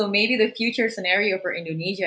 jadi mungkin senarai masa depan indonesia